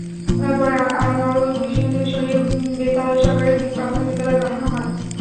পরে আনোয়ারুলকে সেখান থেকে সরিয়ে বেতাল সরকারি প্রাথমিক বিদ্যালয়ে পাঠানো হয়।